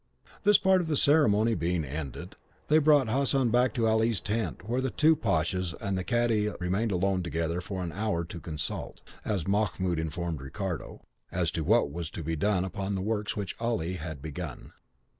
This part of the ceremony being ended, they brought Hassan back to Ali's tent, where the two pashas and the cadi remained alone together for an hour to consult, as Mahmoud informed Ricardo, as to what was to be done upon some works which Ali had begun.